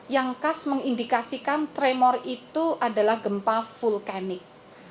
yang khas mengindikasikan tremor itu adalah gempa vulkanik